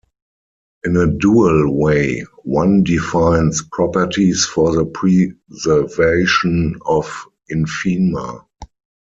In a dual way, one defines properties for the preservation of infima.